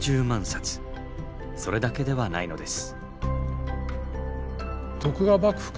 それだけではないのです。